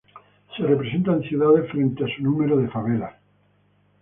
Se representan ciudades frente a su número de favelas.